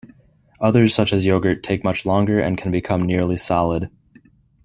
Others such as yogurt take much longer and can become nearly solid.